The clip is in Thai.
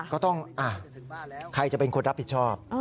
ก็ต้องใครจะเป็นคนรับผิดชอบ